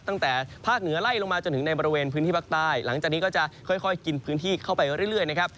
ตั้งแต่ภาคเหนือไล่ลงมาจนถึงในบริเวณพื้นที่ภาคใต้หลังจากนี้ก็จะค่อยกินพื้นที่เข้าไปเรื่อยนะครับ